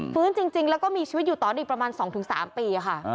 ฟื้นจริงแล้วก็มีชีวิตอยู่ตอนนี้อีกประมาณ๒๓ปีค่ะ